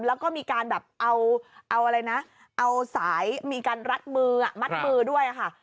แล้วก็มีการแบบเอาอะไรนะเอาสายมีการรัดมือมัดมือด้วยค่ะ